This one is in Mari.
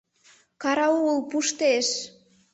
— Караул, пуштеш!